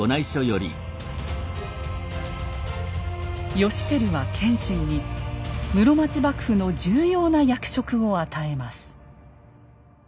義輝は謙信に室町幕府の重要な役職を与えます。